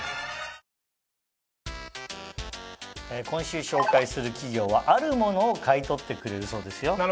今週紹介する企業はあるものを買い取ってくれるそうですよ。